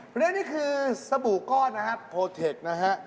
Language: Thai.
เพราะฉะนั้นนี่คือสบู่ก้อนนะครับโพเทคนะฮะ